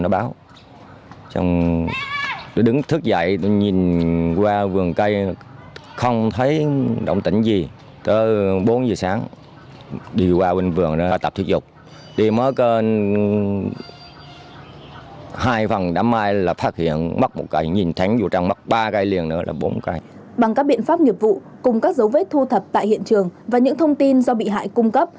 bằng các biện pháp nghiệp vụ cùng các dấu vết thu thập tại hiện trường và những thông tin do bị hại cung cấp